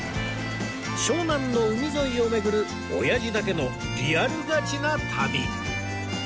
湘南の海沿いを巡るおやじだけのリアルガチな旅